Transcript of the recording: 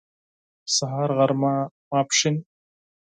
سهار غرمه ماسپښين